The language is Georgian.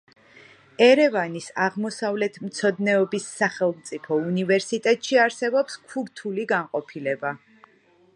ერევანის აღმოსავლეთმცოდნეობის სახელმწიფო უნივერსიტეტში არსებობს ქურთული განყოფილება.